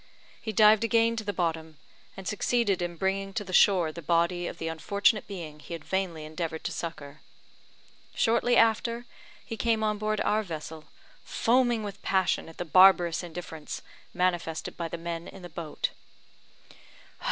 He dived again to the bottom, and succeeded in bringing to shore the body of the unfortunate being he had vainly endeavoured to succour. Shortly after, he came on board our vessel, foaming with passion at the barbarous indifference manifested by the men in the boat.